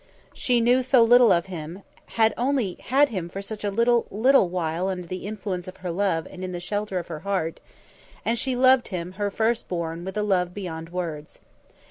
She knew so little of him, had only had him for such a little, little while under the influence of her love and in the shelter of her heart, and she loved him, her firstborn, with a love beyond words.